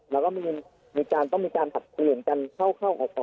แล้วก็มีการต้องมีการผลัดเปลี่ยนกันเข้าออก